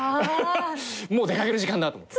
もう出掛ける時間だと思って。